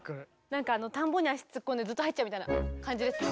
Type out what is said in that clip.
なんか田んぼに足突っ込んでずっと入っちゃうみたいな感じですか？